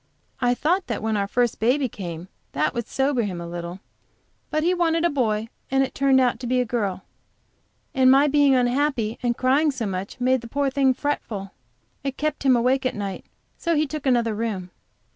I thought that when our first baby came that would sober him a little, but he wanted a boy and it turned out to be a girl. And my being unhappy and crying so much, made the poor thing fretful; it kept him awake at night, so he took another room.